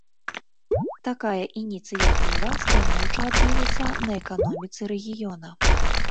Такая ініцыятыва станоўча адбілася на эканоміцы рэгіёна.